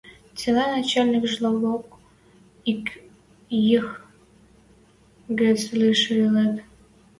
Цилӓ начальниквлӓжок ик йых гӹц лишӹ ылыт...